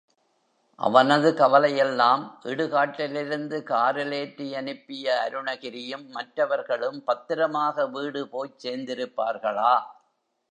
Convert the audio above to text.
அவனது கவலையெல்லாம் இடுகாட்டிலிருந்து காரில் ஏற்றி அனுப்பிய அருணகிரியும், மற்றவர்களும் பத்திரமாக வீடு போய்ச் சேர்ந்திருப்பார்களா?